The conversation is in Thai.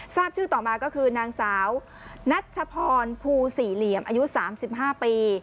ทราบชื่อต่อมาก็คือนางสาวนัชพรภูสี่เหลี่ยมอายุ๓๕ปี